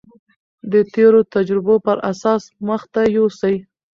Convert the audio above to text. د تېرو تجربو پر اساس مخته يوسي.